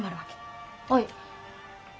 はい。